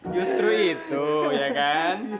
justru itu ya kan